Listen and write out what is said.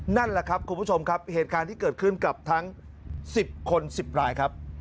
นั่นแหละครับคุณผู้ชมครับเหตุการณ์ที่เกิดขึ้นกับทั้ง๑๐คน๑๐รายครับ